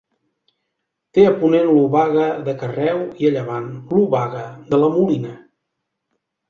Té a ponent l'Obaga de Carreu i a llevant l'Obaga de la Molina.